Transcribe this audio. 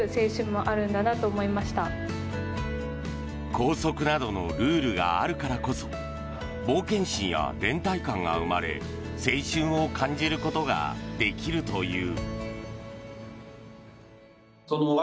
校則などのルールがあるからこそ冒険心や連帯感が生まれ青春を感じることができるという。